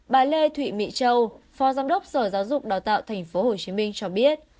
bà lê thị mỹ châu phó giám đốc sở giáo dục đào tạo tp hcm cho biết